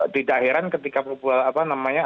tidak heran ketika